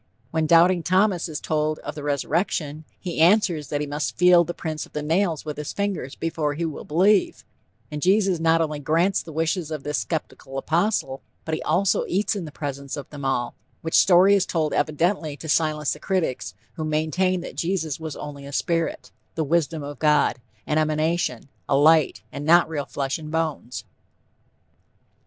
When doubting Thomas is told of the resurrection, he answers that he must feel the prints of the nails with his fingers before he will believe, and Jesus not only grants the wishes of this skeptical apostle, but he also eats in the presence of them all, which story is told evidently to silence the critics who maintained that Jesus was only a spirit, "the Wisdom of God," an emanation, a light, and not real flesh and bones.